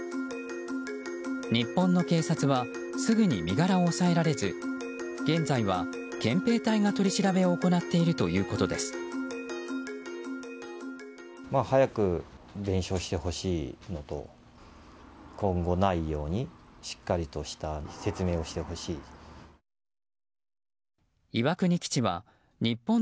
日本の警察はすぐに身柄を押さえられず現在は憲兵隊が取り調べを行っているということです。